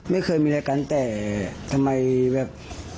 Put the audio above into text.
ไม่เคยมีอะไรกันแต่ทำไมแบบ